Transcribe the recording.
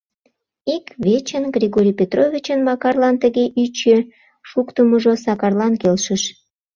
Ик вечын Григорий Петровичын Макарлан тыге ӱчӧ шуктымыжо Сакарлан келшыш.